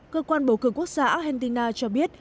cơ quan bầu cử quốc gia argentina cho biết